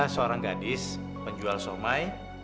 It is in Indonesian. seorang gadis penjual somai